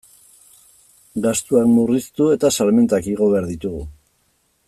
Gastuak murriztu eta salmentak igo behar ditugu.